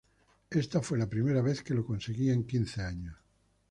Esta fue la primera vez que lo conseguía en quince años.